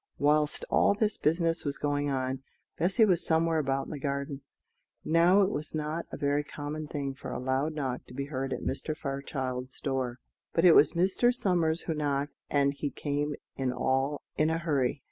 Whilst all this business was going on, Bessy was somewhere about in the garden. Now it was not a very common thing for a loud knock to be heard at Mr. Fairchild's door. But it was Mr. Somers who knocked, and he came in all in a hurry.